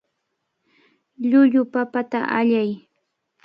Llullu papata allay.